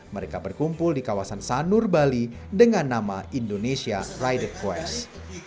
mereka berkumpul di kawasan sanur bali dengan nama indonesia ride quest